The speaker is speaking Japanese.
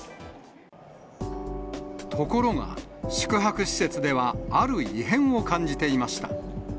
ところが、宿泊施設ではある異変を感じていました。